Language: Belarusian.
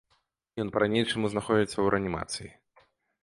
Ён па-ранейшаму знаходзіцца ў рэанімацыі.